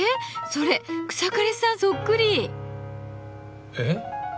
それ草刈さんそっくり！え？